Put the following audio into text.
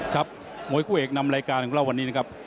ครับมวยคู่เอกนำรายการของเราวันนี้นะครับ